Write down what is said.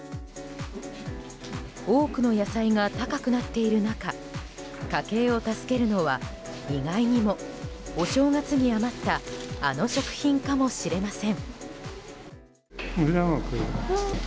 多くの野菜が高くなっている中家計を助けるのは、意外にもお正月に余ったあの食品かもしれません。